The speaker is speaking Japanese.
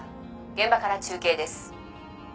「現場から中継です」